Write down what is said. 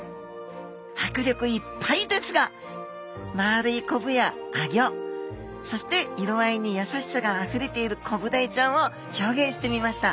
迫力いっぱいですが丸いコブやアギョそして色合いにやさしさがあふれているコブダイちゃんを表現してみました。